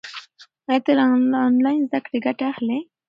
آیا ته له انلاین زده کړې ګټه اخلې؟